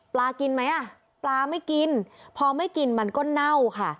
กินไหมอ่ะปลาไม่กินพอไม่กินมันก็เน่าค่ะ